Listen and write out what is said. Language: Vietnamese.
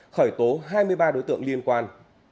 khởi tố hai mươi ba đối tượng liên quan